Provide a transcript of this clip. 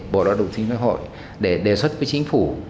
bộ đạo đồng chính phủ hội để đề xuất với chính phủ